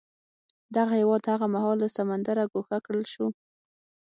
دغه هېواد هغه مهال له سمندره ګوښه کړل شو.